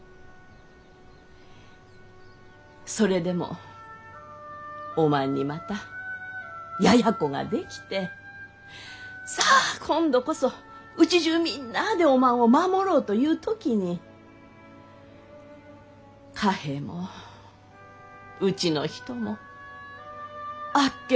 それでもおまんにまたややこができてさあ今度こそうちじゅうみんなあでおまんを守ろうとゆう時に嘉平もうちの人もあっけのう亡うなってしもうた。